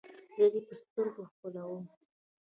زه دې په سترګو ښکلوم.